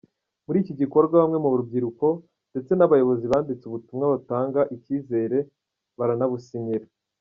Muri iki gikorwa bamwe mu rubyiruko ndetse n’abayobozi banditse ubutumwa butanga icyizere baranabusinyira.